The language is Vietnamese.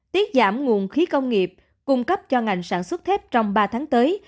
tiết giảm nguồn khí công nghiệp cung cấp cho ngành sản xuất thép trong ba tháng tới